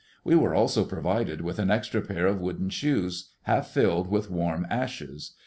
We were also provided with an extra pair of wooden shoes half filled with warm ashes.